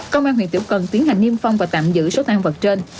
công an huyền tiểu cần tiến hành niêm phong và tạm giữ số thang vật trên